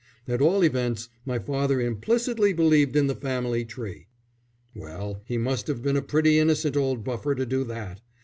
At all events my father implicitly believed in the family tree." "Well, he must have been a pretty innocent old buffer to do that.